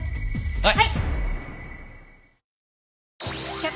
はい。